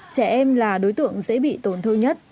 các em là đối tượng sẽ bị tổn thương nhất